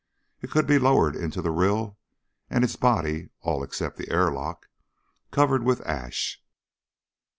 It could be lowered into the rill and its body, all except the airlock, covered with ash.